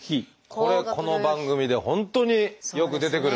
これこの番組で本当によく出てくる。